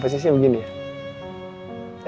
posisinya begini ya